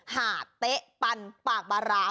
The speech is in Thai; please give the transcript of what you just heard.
หาดเต๊ะปันปากบารา